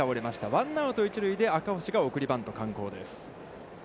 ワンアウト、一塁で、赤星が送りバント敢行です。